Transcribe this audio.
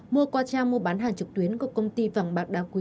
mua qua trang mua bán hàng trực tuyến của công ty vẳng bạc đà quý